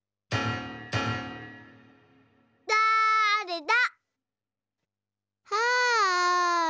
だれだ？